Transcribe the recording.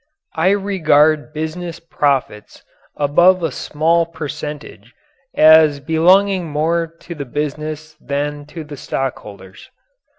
I regard business profits above a small percentage as belonging more to the business than to the stockholders.